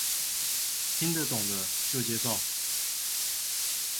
聽得懂的就接受